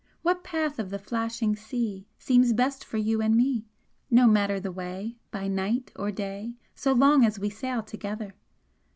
What path of the flashing sea Seems best for you and me? No matter the way, By night or day, So long as we sail together!